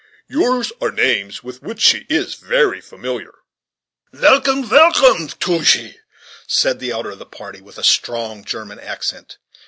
Yours are names with which she is very familiar." "Velcome, velcome Tchooge," said the elder of the party, with a strong German accent.